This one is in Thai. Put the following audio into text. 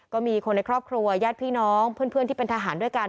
ก็มีคนในครอบครัวญาติพี่น้องเพื่อนที่เป็นทหารด้วยกัน